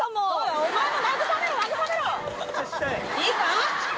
いいか？